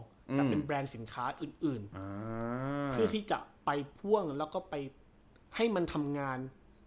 แต่เป็นแบรนด์สินค้าอื่นเพื่อที่จะไปพ่วงแล้วก็ไปให้มันทำงาน